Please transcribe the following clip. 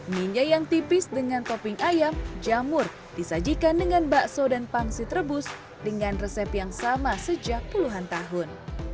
mie nya yang tipis dengan topping ayam jamur disajikan dengan bakso dan pangsit rebus dengan resep yang sama sejak puluhan tahun